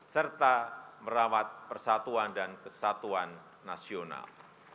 serta merawat persatuan dan kesatuan nasional